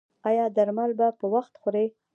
ایا درمل به په وخت خورئ؟